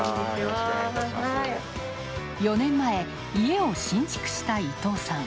４年前、家を新築した伊藤さん。